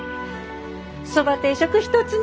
そば定食１つね。